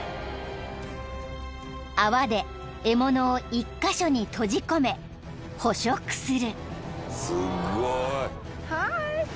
［泡で獲物を１カ所に閉じ込め捕食する］